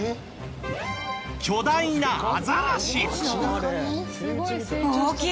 巨大なアザラシ！